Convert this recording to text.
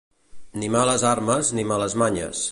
Ni males armes, ni males manyes.